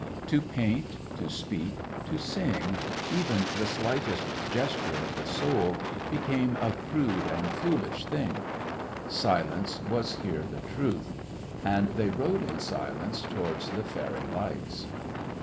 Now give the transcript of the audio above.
To paint, to speak, to sing, even the slightest gesture of the soul, became a crude and foolish thing. Silence was here the truth. And they rode in silence towards the fairy lights.